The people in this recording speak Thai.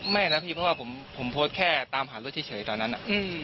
ไม่นะพี่เพราะว่าผมโพสต์แค่ตามหารถเฉยตอนนั้น